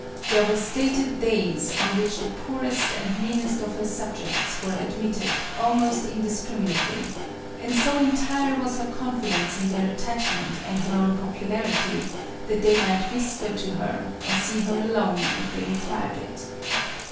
There were stated days on which the poorest and meanest of her subjects were admitted, almost indiscriminately ; and so entire was her confidence in their attachment and her own popularity, that they might whisper to her, or see her alone if they required it.